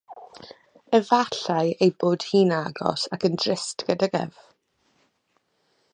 Efallai ei bod hi'n agos ac yn drist gydag ef.